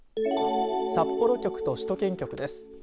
札幌局と首都圏局です。